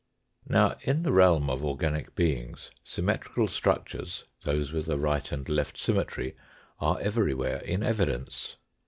Now, in the realm of organic beings symmetrical struc tures those with a right and left symmetry are every where in evidence.